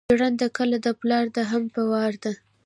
جرنده که دا پلار ده هم په وار ده